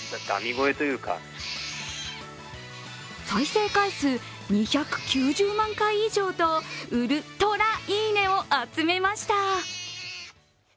再生回数２９０万回以上とウルトラいいねを集めました。